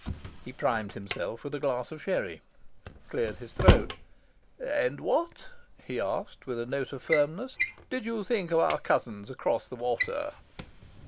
He primed himself with a glass of sherry, cleared his throat. "And what," he asked, with a note of firmness, "did you think of our cousins across the water?"